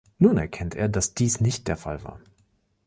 Nun erkennt er, dass dies nicht der Fall war.